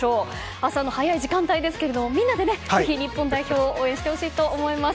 朝の早い時間帯ですがみんなで、ぜひ日本代表を応援してほしいと思います。